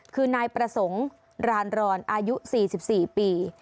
คือนายประสงค์รานรอนอายุ๔๔ปี